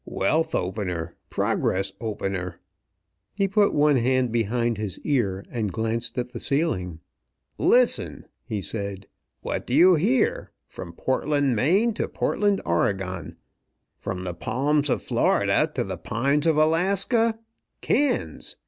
"Wealth opener; progress opener!" He put one hand behind his ear, and glanced at the ceiling. "Listen!" he said. "What do you hear? From Portland, Maine, to Portland, Oregon; from the palms of Florida to the pines of Alaska cans!